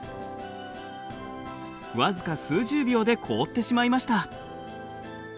僅か数十秒で凍ってしまいました。